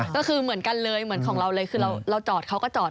ก็คือเหมือนกันเลยเหมือนของเราเลยคือเราจอดเขาก็จอด